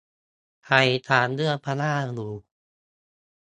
ใครตามเรื่อง พม่า อยู่